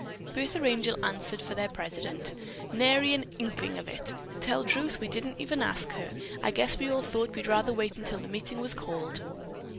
Bertha Angel answered for their president: "Nary an inkling of it. Truth to tell, we didn't even ask her. I guess we all thought we'd rather wait until the meeting was called."